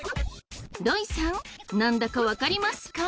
ロイさん何だか分かりますか？